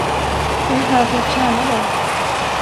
Jag är här för att tjäna dig.